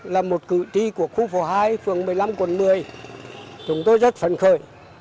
là một cử tri của khu phố hai phường một mươi năm quận một mươi chúng tôi rất phấn khởi